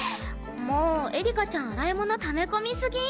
もうエリカちゃん洗い物ため込みすぎ。